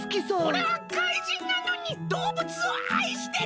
おれは怪人なのにどうぶつをあいしてる！